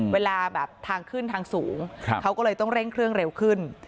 เวลาแบบทางขึ้นทางสูงเขาก็เลยต้องเร่งเครื่องเร็วขึ้น